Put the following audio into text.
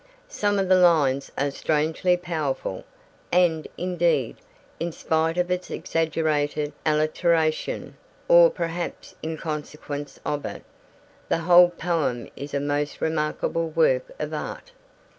Some of the lines are strangely powerful, and, indeed, in spite of its exaggerated alliteration, or perhaps in consequence of it, the whole poem is a most remarkable work of art.